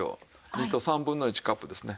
２と３分の１カップですね。